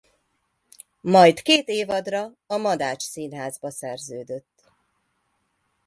Majd két évadra a Madách Színházba szerződött.